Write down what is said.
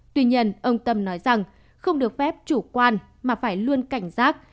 tuy nhiên ông tâm nói rằng không được phép chủ quan mà phải luôn cảnh giác